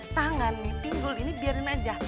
tangan nih pinggul ini biarin aja